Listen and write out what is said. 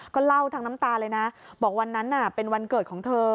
ก็เล่าทั้งน้ำตาเลยนะบอกวันนั้นเป็นวันเกิดของเธอ